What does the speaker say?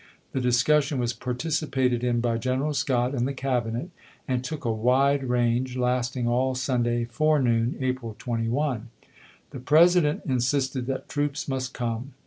The discussion was participated in by General Scott and the Cabinet, and took a wide range, last ing all Sunday forenoon (April 21). The President insisted that troops must come.